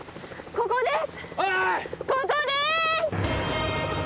ここです！